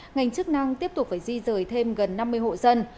ngành chức năng tiếp tục phải di rời thêm gần năm mươi hộ dân